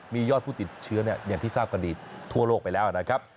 มียอดผู้ติดเชื้ออย่างที่ทราบกันดีทั่วโลกไปแล้วนะครับ